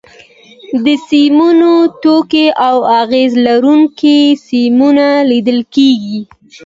د سیمونو ټوټې او اغزي لرونکي سیمونه لیدل کېږي.